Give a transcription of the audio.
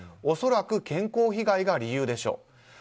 恐らく健康被害が理由でしょう。